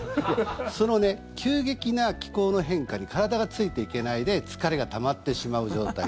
その急激な気候の変化に体がついていけないで疲れがたまってしまう状態